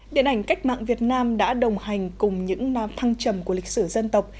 điện ảnh cách mạng việt nam đã đồng hành cùng những năm thăng trầm của lịch sử dân tộc